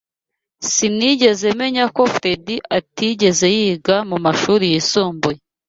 Sinigeze menya ko Fredy atigeze yiga mumashuri yisumbuye.